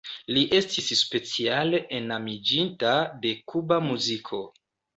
Li estis speciale enamiĝinta de Kuba muziko.